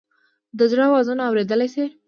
د زړه آوازونه اوریدلئ شې؟